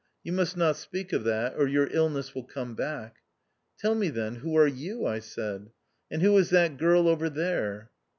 " You must not. speak of that or your illness will come back." " Tell me then, who are you \" I said, " and who is that girl over there